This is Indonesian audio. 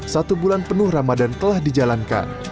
satu bulan penuh ramadan telah dijalankan